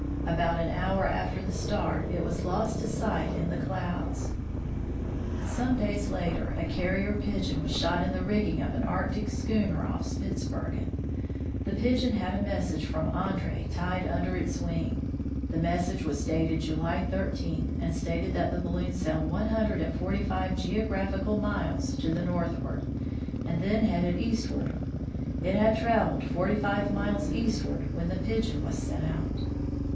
About an hour after the start, it was lost to sight in the clouds. Some days later a carrier pigeon was shot in the rigging of an Arctic schooner off Spitzbergen. The pigeon had a message from Andree tied under its wing. The message was dated July 13, and stated that the balloon sailed one hundred and forty five geographical miles to the north ward, and then headed east. It had traveled forty five miles eastward when the pigeon was sent out.